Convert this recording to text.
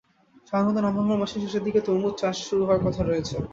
সাধারণত নভেম্বর মাসের শেষের দিকে তরমুজ চাষ শুরু হওয়ার কথা রয়েছে।